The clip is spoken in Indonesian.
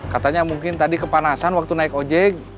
katanya mungkin tadi kepanasan waktu naik ojek